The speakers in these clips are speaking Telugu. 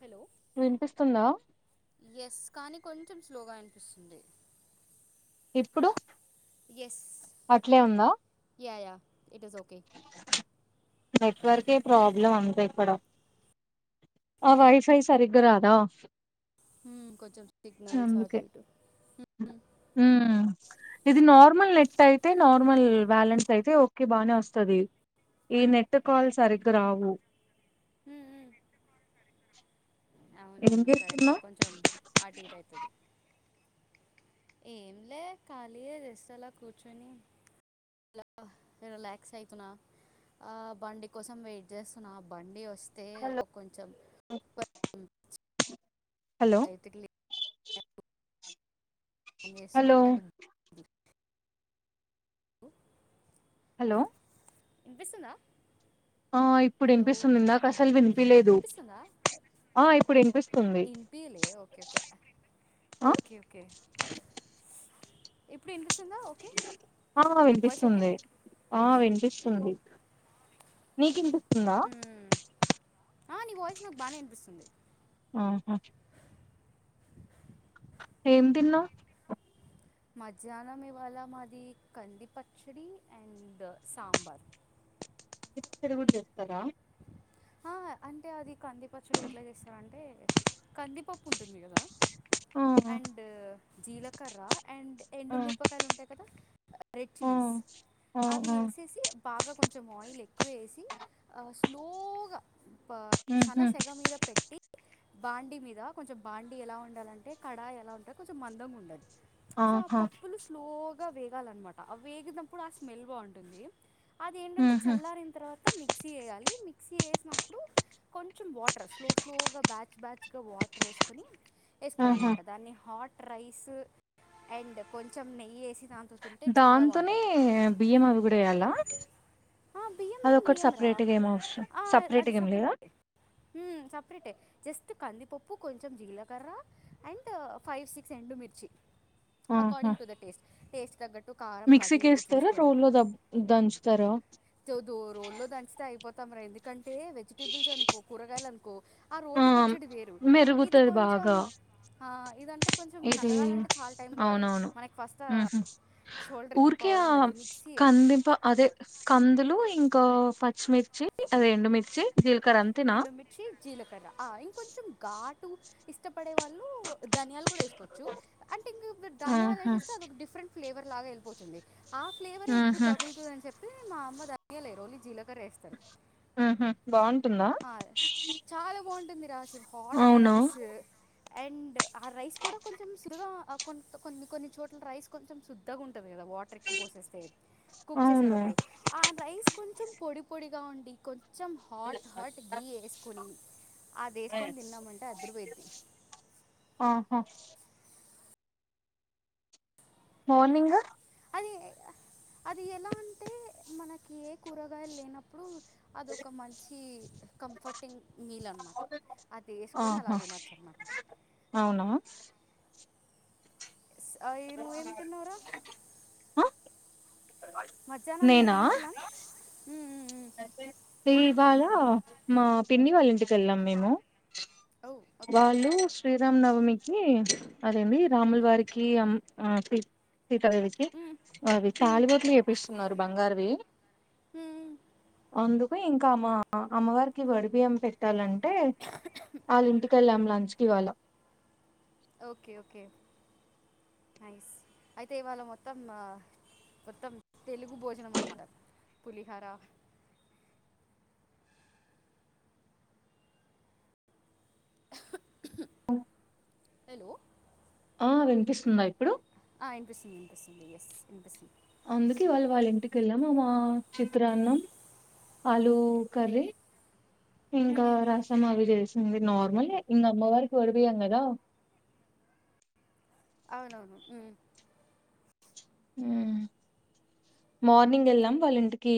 హలో వినిపిస్తుందా ఎస్ కానీ కొంచెం స్లోగా వినిపిస్తుంది ఇప్పుడు ఎస్ అట్లే ఉందా yeah yeah it is okay నెట్వర్కే ప్రాబ్లం అంతే ఇక్కడ ఆ వైఫై సరిగ్గా రాదా ఉ కొంచం సిగ్నల్స్ అటి ఇటు ఊ ఇది నార్మల్ నెట్ అయితే నార్మల్ బ్యాలెన్స్ అయితే ఓకే బాగ్నే వస్తది, ఈ నెట్ కాల్ సరిగ్గా రావు. ఏం అవును కరెక్టే చేస్తున్నావ్ కొంచెం అటు ఇటు అయితది ఏంలే ఖాళీ జస్ట్ అలా కూర్చొని రిలాక్స్ అయితున్నా, ఆ బండి కోసం వెయిట్ చేస్తున్నా బండి వస్తే ఒ కొంచెం. ఓ అయితుకి ల్యా బు పని చేస్తున్నా హలో కానీ బు హలో ఇన్నిపిస్తుందా ఆ ఇప్పుడు ఇన్నిపిస్తుంది ఇందాక అసలు వినిపిలేదు వినిపిస్తుందా ఆ ఇప్పుడు ఇన్నిపిస్తుంది ఇన్పియలే ఓకే ఓకే ఆ ఓకే ఓకే ఇప్పుడు వినిపిస్ ఆ వినిపిస్తుంది ఆ వినిపి ంగీ నీ క నా మ్మ్. ఆ నీ వాయిస్ నాకు బానే అనిపిస్తుంది ఆహా ఏం తిన్నా మధ్యాహ్నం ఇవాళ మాది కంది పచ్చడి అండ్ సాంబార్ అడ కూడా చేస్తారా ఆ అంటే అది కందిపచ్చుడు ఎట్లా చేస్తారుంటే కందిపప్పు ఉంటుంది కదా ఆ మ అ ఆ వ బ ఆ ఆ ఆ కొ ఎ లో సన ఉహు సెగ మీద పెట్టి బాండిీ మీద కొంచెం బాండి ఎలా ఉండాలింటే కడాయి ఎలా ఉంటారు కొంచెం మందంగా ఉండాలదు ఆహా పప్పులు స్లోగ గా వేగాలన్నమాట ఆ వేగినప్పుడు ఆ స్మెల్ బాగుంటుంది అదేంటంటే ఉహు చల్లారన తర్వాత మిక్స చేయాలి మిక్సీ చేసినప్పుడు కొంచెం వాటర్ స్లో స్లో బ్యా [unintelligible] వాటర్ వేసుకొని ఆహా వేసుకోవాలన్నమాట దాన్ని హాట్ రైస్ అండ్ కొంచెం నెయ్యి వేసి దాంతో తింటే చాలా దాంతోనే బాగుంటుంది బియ్యం అవిగుడ వయాల ఆ బియ్యం బియం రా ఏం అవసరం ఆ అది సపరేట్గా ఏం లేదా సపరేట్ సపరేట్ జస్ట్ కందిపప్పు కొంచెం జీలకర్ర అండ్ ఫైవ్ సిక్స్ ఎండుమిిర్చి according to the taste taste తగ్గట్టు కారం కాటు ఇటు మిక్సీకిస్తారా చూసుకొని రోల్ లో దబ్ దంచుతారా దో రోజుల్లో దంచితే అయిపోతాం ఎందుకంటే అే వెజిటేబుస్ అనుకో కూరగాయలు అ ఆ రోటి పచ్చడి వేరు ఇది మెరుగుతది కొంచెం బాగా ఆ ఇదన్ ఇది అవునవును మనకి ఫస్ట్ షోల్డర్కి ఊరికే పవర్ ఉండాలి మిక్సీయే కందింప అదే కందులు ఇంకా పచ్చిమిర్చి రెండుమిిర్చి రెండ మచి జీలకర్ర ఆ ఇంకొంచంట్ ఇష్టపడే వాళ్ళు దనియాలు కూడా వేసుకోవచ్చు అంటే ఇంకా దనియాలు ఆహా ఎసేస్తే అదొక డిఫరెంట్ ఫ్లేవర్ లాగా వెళ్ళిపోతుంది ఆ ఫ్లేవరే ఎక్కువ ఉహు తగులుతది అని చెప్పి మా అమ్మ దనియలు ఏదు ఓన్లీ జీలకర్ర వేస్తారు ఆహా ఆ చాలా బాగుంటుంది రా హాట్ అవునా రైసు అండ్ ఆ రైస్ కూడా కొంచెం సుడుగా ఆ కొన్ని కొన్ని చోట్ల రైస్ కొంచెం శుద్ధగా ఉంటు ది వాటర్ ఎక్కు పోసేస్తేది కుక్ అవును చేసేటప్పుడు ఆ రైస్ కొంచెం పొడి పొడిగా ఉండి కొ కొంచం హాట్ హాట్ గీ ఏసుకొని అది ఏసుకొని తిన్నామంటే అదిరిపోయిద్ది ఆహా మార్నింగ్ అ అది ఎలా అంటే మనకి ఏ కూరగాయలు లేనప్పుడు అదొక మంచి ఈ కంఫర్టింగ్ మీల్ అనమాట అది ఏసుకొని అలా ఆహా తినొచ్చు అవునా ఆ నువ్వేమి తిన్నవ్ రా ఆ మధ్యాహ్నం నేనా నీదెం ప్లాన్ ఇవాళ మా పిన్ని వాళ్ళ ఇంటికి వెళ్ళాను నేనూ ఓ ఓకే వాళ్ళు శ్రీ రామ్ నవమికి అదెంది రాములు వారికి సీతదేవికి అది తాలి బొట్లు చేపిస్తున్నారు బంగారు ఏ హుమ్ అందుకు ఇంకా మా అమ్మవారికి వడి బియ్యం పెట్టాలంటే వాళ్ళ ఇంటికెళ్ళాం లంచ్ కివాళ ఓకే ఓకే నైస్ అయితే ఇవాళ మొత్తం ఆ మొత్తం తెలుగు భోజనం అన్నమాట పులిహోర హలో ఆ వినిపిస్తుందా ఇప్పుడు ఇన్పిస్తుంది ఇన్పిస్తుంది ఎస్ ఇన్పిస్తుంది అందుకే ఇవాళ్ళ వాళ్ళ ఇంటికి వెళ్ళాము ఆ చిత్రాన్నం ఆలూ కర్రీ ఇంకా రసం అవి చేస్ ఇంగ నార్మలే ఇంగ అమ్మవారికి తోడుపోయం గదా అవునవును హుమ్ హుమ్ మార్నింగ్ వెళ్ళాం వాళ్ళ ఇంటికి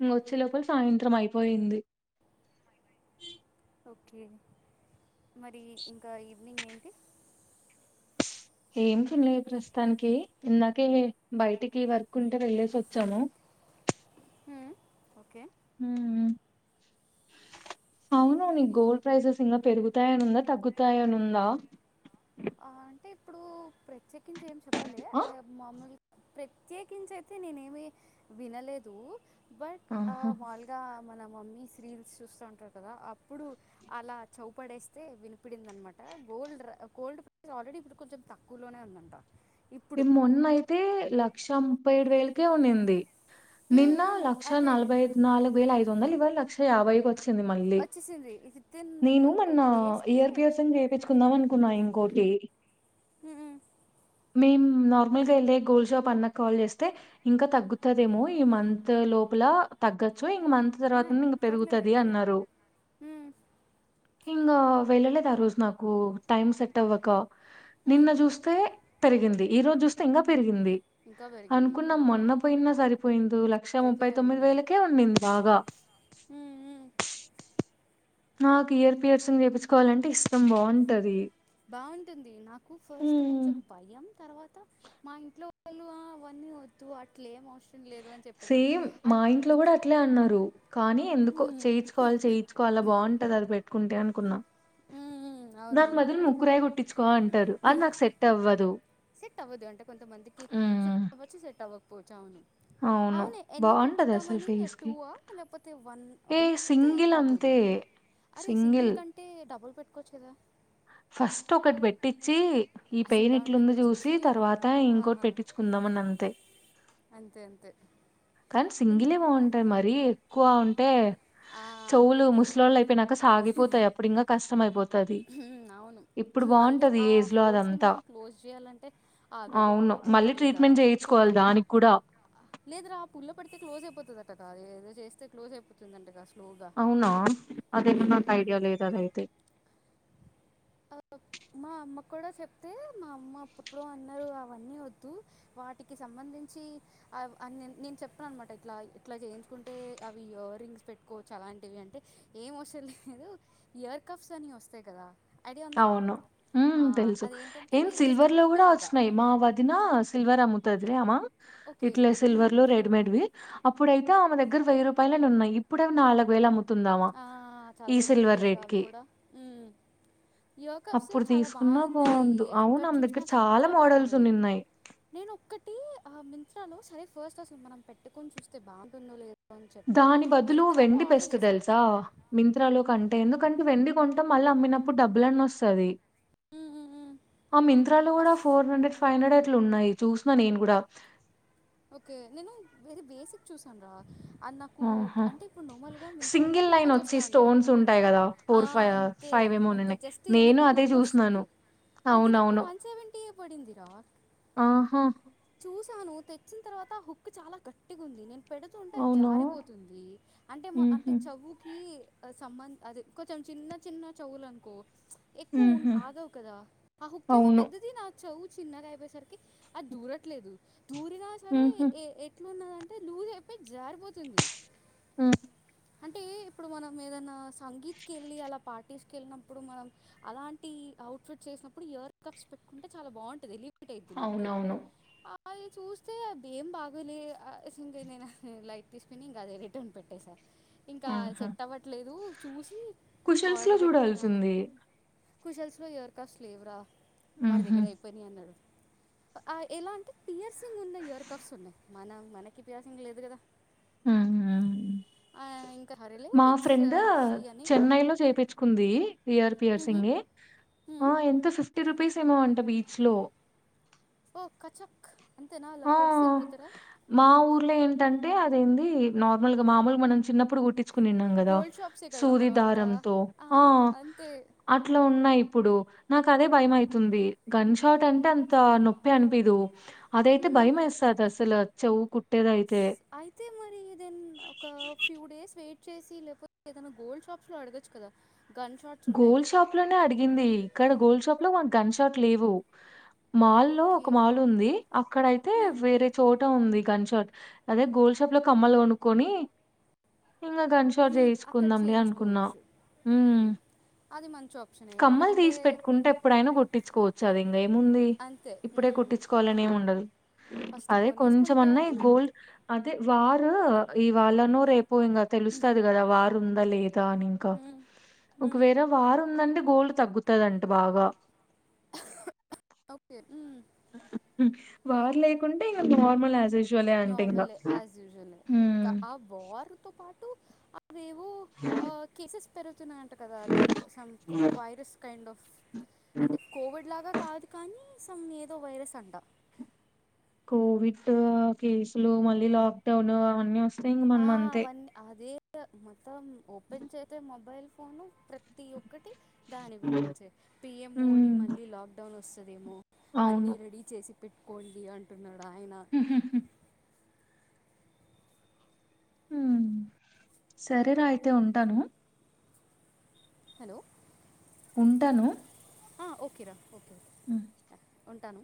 ఇంక వచ్చే లోపల సాయంత్రం అయిపోయింది ఓకే మరి ఇంకా ఈవిెనింగ్ ఏంటి ఏమిటిండలేదు ప్రస్తుతానికి ఇందాకే బయటికి వర్క్ ఉంటే వెళ్ళేసి వచ్చాము హ ఓకే అవును నీ గోల్డ్ ప్రైజెస్ ఇంకా పెరుగుతాయి అని ఉందా తగ్గుతాయి అని ఉందా ఆ, అంటే ఇప్పుడు ప్రత్యేకించి ఏం చెప్ప ప ఆ మమ ప్రత్యేకించి అయితే నేనేమిీ వినలేదు బట్ ఆ ఆహా మాలుగా మన మమ్మీస్ రీల్స్ చూస్తా ఉంటారు కదా అప్పుడు అలా చౌపడేస్తే వినిపిడింద అనమాట గోల్డ్ గోల్డ్ ఆల్రెడీ ఇప్పుడు కొంచెం తక్కువలోనే ఉందంట ఇప్పుడు నిమ్ొన్నైతే లక్ష ముప్పై ఏడు వేలకే ఉన్నింది ఉమ్, నిన్న ఉమ్, క్ష అదే నల్భై నల్గు వేల ఐదు వంద ఇవళ క్ష స అవయి మళ్ళీ వచ్చేసింది విత్ ఇన్ నేను కొన్ని మన్న కొన్ని డేస్కే ఇయర్ పియర్స్ చేయిించుకుందాం అనుకున్నా ఇంకోటి దే ఉ మేం నార్మల్ గా వెళ్ే గోల్డ్ షాప్ అన్న కాల్ చేస్తే ఇంకా తగ్గుతుదేమో ఈ మంత్ లోపల తగ్గచ్చు ఇంక మంత్ నా తర్వాత ఇంక పర్లేదు పెరుగుతుది అయితే అన్నారు ఉమ్, ఇిం వెళ్ళలేదు ఆ రోజు నాకు టైమ్ సెట్ అవ్వక నిన్న ఉమ్, చూస్తే పెరిగింది ఈ రోజు చూస్తే ఇంకా పెరిగింది ఇంకా పెరిగింది అనుకున్నా ఓ మొన్న పోయినా సరిపోయింది లక్ష ముప్పై సరిపోయి తొమ్మిది ఉండేది వేలకే ఉంంది బాగా ఉమ్ ఉమ్ నాకు ఇయర్ పియర్స్ చేయిించుకోవాలంటే ఇష్టం బాగుంటది బాగుంటుంది నాకు ఫస్ట్ కొంచెం భయం తర్వాత మా ఇంట్లో వాళ్ళు అవన్నీ వద్దు అట్లేం అవసం సేమ్ మా ఇంట్లో కూడా అట్లే అన్నారు కానీ ఎందుకో ఉమ్ చేయించుకోవాలి చేయించుకోవాలా బాగుంటాది అది పెట్ పట్టుకుంటే అనుకున్నా ఉమ్ నాకు అవునవును మధలు ముక్కురాయి కుట్టించుకో అంటారు అది నాకు సెట్ అవ్వదు సెట్ అవ్వదు అంటే పచావును అవును ఎన్ని బావుంటది అసలు పెట్టిద్దామని టూ ఫేస్‌కి. ఆ లేకపోతే వన్ ఏ సింగిల్ బాగోదు అంతే. అరే సింగిల్ కంటే డబుల్ కో చేా ఫస్ట్ ఒకటి పెట్టించిి ఈ అసలు పెయిన్ ఎలా ఇట్లుంది ఉంటుందో చూసి తర్వాత ఆ ఇంకోటి పెట్టించుకుందాంమని అంతే అంతే అంతే కానీ ఇం సింగిలే బాగుంటాయి మర ఎక్కువ ఉంటే ఆ చౌలు ముస్ లోలై ినక సాగిపోతాయి అప్పుడు ఇంగ కష్టంమయిపోతంది అవును మళ్ళీ ఆ ఏజ్‌లో హోల్స్ ని అదంతా. మనం క్లోజ్ చేయాలంటే అవివో అవును మళ్ళీ ఆకుంటుది కదా ట్రీట్మెంట్ చేయించుకోవాలి పుల్లా దానికి కూడా లేదు రా పుల పడితే క్లోజ్ అయిపోతుందట కాదు ఏదో చేస్తే క్లోజ్ అయిపోతుందంట కా అవునా అదేమ నాకు ఐడియా లేదు అదయితే ఆ, మా అమ్మ కూడా చెప్తే మా అమ్మ అప్పుప్పుడు అన్నారు అవన్నీ వద్దు వాటికి సంబంధించి అ నేను చెప్ాను అనమాట ఇట్లా ఇట్లా చేయించుకుంటే అవి ఇయర్ రింగ్స్ పెట్టుకోవచ్చు అలాంటివి అంటే ఏం వస లేదు ఇయర్ కఫ్స్ అని వస్తాయి కదా ఐడియా ఉంద ను ఉ తెలుసు ఏం జస్ట్ సిల్వర్ లో హుక్ కూడా లాగా వచ్చినయి మా వదిన సిల్వర్ అమ్ అద్దదులే అమ్మ ఇట్లే ఓకే సిల్వర్లు రెడీమేడ్వి అప్పుడైతే ఆమె దగ్గర వెయ్య రూపాయలు ఉన్నాయిప్పుడువి నాలుగు వేల ము ఆ చాలా రేట్ పడిపోయినాయి కా అవి కి కూడా ఉ ఇయర్ కప్స్ అప్పుడు చాలా తీసుకున్నా బాగున్నాయి బాగుండు అవును ఎక్కడ ఆమె చూసినా దగ్గర చాలా మోడల్స్ బాగున్నాయి ఉన్నాయి నేను ఒక్కటి ఆ మింత్రాలో సరే ఫస్ట్ అసలు మనం పెట్టుకొని చూస్తే బాగుంటుందో లే దాని బదులు వెండి పెస్త చేశా. తెలుసా మింత్రాలో క అంటే ఎందుకంటే వెండి కొంటాం మళ్ళీ అమ్మినప్పుడు డబ్బులన్న వస్తుంది హ్మ్. హ్మ్. హ్మ్. ఆ మింత్రాలు కూడా అస్ ఫోర్ హండ్రెడ్ ఫైవ్ హండ్రెడ్ లు ఉన్నాయి చూసిన నేను కూడా ఓకే నేను బసిక్ చూసాన రా అది నా కూ ఆహా! అంటే ఇప్పుడు నమలుగా మింత్రాలో సింగిల్ లైన్ కూపెన్స్ ఒచ్చి వస్తా ఉంటాయి స్టోన్స్ గదా! ఆహ్, అంతే అంతే ఏమోనున్నాయి. జస్ట్ నేను వెనక అదే హుక్ చూసినాను. వస్తుంది అది నాకు అవునవును. వన్ సెవెంటీ ఏ పడిందిరా ఆహా! చూసాను తెచ్చిన తర్వాత హుక్ చాలా గట్టిగా ఉంది నేను పెడుతుంటే అవునా? జారిపోతుంది అంటే మా అంటే హుహు. చవుకి సంబంధ అదిే కొంచెం చిన్న చిన్న చెవులు అనుకో ఎక్కువ ఉ హుహు. ఆగవు కదా ఆ హుకేమ అవును. పెద్దది నా చవు చిన్నగాయబే సార్కి ఆది దూర ట్లేదు దూర సరే హుహు. ఇ న్నదంటే లూజ్ అయిపోయి జారిపోతుంది ఆ అంటే ఇప్పుడు మనం ఏదనా సంగీత్ కేలీ అలా పాఠ తీసుకెళ్ళినప్పుడు మనం అలాంటి అవుట్ఫిట్ చేసినప్పుడు ఇయర్ కప్స్ పెట్టుకుంటే చాలా బాగుంటంది అవునవును అది చూస్తే ఏం బాగాలే ఎంకనేనా రైట్ తీసుకుని ఇంక అ రటన్ పెట్టే సార్ ఇంకా ఆహా! చెట్ అవ్వట్లేదు చూసి కుషల్స్‌లో ఆర్డర్ పెట్టుకున్నాల చూడాల్సింది. కుశల్స్ లో ఎయర్ కాస్ట్ లేవరా వాడి హుహు. దగ్గర అయిపోయినా అన్నాడు ఆ ఎలా అంటే సింగ్ ఉన్న ఇయర్ కఫప్స్న్నాయి మనం మనకి ఇ ప్యాసం లేదు కదా ఇంకా హరిలే మా లెట్స్ ఫ్రెండ్ సి అని చెన్నై లో చేపించుకుంది ఇయర్ యర్ మ్మ్హమ్, సింగ్ ఎ మ్మ్. ఎంత ఫిఫ్టీ రుపీస్ ఏమో అంట బీచ్ లో ఓ కచక్ అంత నా అలా పొడసల్ పుత్ర అంటే అదేంది నార్మల్ గా మామూలు మనం చిన్నప్పుడు కుట్టించు న్నాం కదా గోల్డ్ షాప్సే కదరా మనం అంతా సూదిదారంతో ఆ అంతే అట్లా ఉన్నాయి ఇప్పుడు నాకు అదే భయం అయితుంది గన్ షాట్ అంటే అంత నొప్పి అనిపిదు అదైతే మ్మ్. భయంయ్స్తంది అసలు అచ్చవు కుట్టేదైతే అయితే మరి దన్ ఒక ఫ్యూ డేస్ వెయిట్ చేసి లేకపోతే ఏదైనా గోల్డ్ షాప్స్ లో అడగచ్చు కదా గన్ షాట్స్ ఉంటాయి గోల్డ్ షాప్ లోనే అడిగింది ఇక్కడ గోల్డ్ షాప్ లో మాకు గన్ షాట్ లేవు మాల్ల్ ఒక ఓకే మాల్ ఉంది అక్కడయితే హ్మ్, వేరే చోట ఉంది గంట షాట్ అదే గోల్ షాప్ లో కమ్మలు కొనుక్కుని ఇంకా గుంషాట్ హ్మ్, అక్కడ చేయిసుకుందాంని అనుకున్నాం చేయించుకోవచ్చు హ్మ్, అది మంచి ఆప్షన్ కమ్మలు ఎందుకంటే తీసి పెట్టుకుంటే ఎప్పుడైనా గుట్టించుకోవచ్చు సరే ఇందేముంది అంతే ఇప్పుడే హ్మ్, కుట్టించుకోవాలనిమి ఉండదు ఫస్ట్ అదే కొనేసుకుంటే కొంచమన్నా ఈ అవి గోల్డ్ వారు ఈ వాళ్ళనో రేపు పో ఇంకా తెలుస్తుది కదా వా వృందలేదు ఆ ఆ వార్ ఉందంటే గోల్డ్ తగ్గుతాదంట బాగా ఓకే ఊ ఉహు ఉ వార్ లేకుంటే ఇంక నార్మల్ ఎజువేషన్ నార్మలే యాజ్యూజువల్లే ఇంకా హ్మ్ ఆ వార్ తో పాటు రేవో ఆ కేసెస్ వస్తున్నాయంట కదా లైక్ సమ్ కొ వైరస్ కైండ్ ఆఫ్ అంటే కోవిడ్ లాగా కాదు కానీ సమ్ ఏదో వైరస్ అంట కోవిడ్ కేసులు మళ్ళీ లాక్డౌన్ అవన్ని వస్ ఆ అవన్నీ అదే ఒ మొత్తం ఓపెన్ చేతే మొబైల్ పోను ప్రతి ఒక్కటి దాని గురించి పిఎం మోడీ ఉమ్ మళ్ళీ లాక్ డౌన్ వస్ అదేమో అన్ని అవును రెడీ చేసి పెట్టుకోండి అంటున్నా రయనా ఉ సరేరా అయితే ఉంటాను. హలో ఉంటాను అ ఓకేరా ఓకే ఆ ఉంటాను